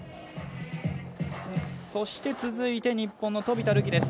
そして、続いて日本の飛田流輝。